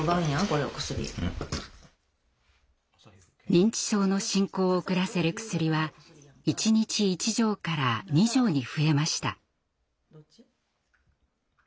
認知症の進行を遅らせる薬は一日１錠から２錠に増えました。